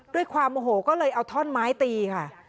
ด้วยความโอโหก็เลยเอาท่อนไม้ตีค่ะ